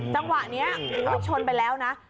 จังหวะนี้คุณผู้ชมชนไปแล้วนะ